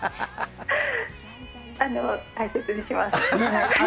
大切にします。